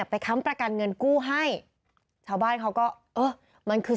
ค้ำประกันเงินกู้ให้ชาวบ้านเขาก็เออมันคือ